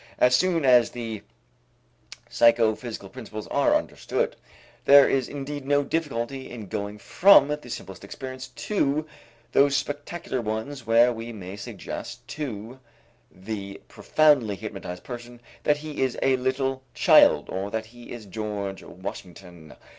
As soon as the psychophysical principles are understood, there is indeed no difficulty in going from the simplest experience to those spectacular ones where we may suggest to the profoundly hypnotized person that he is a little child or that he is George Washington.